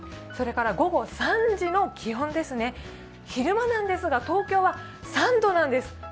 それから午後３時の気温ですね昼間なんですが東京は３度なんです